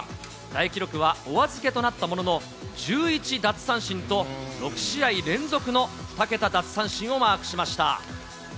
大記録はお預けとなったものの、１１奪三振と６試合連続の２桁奪三振をマークしました。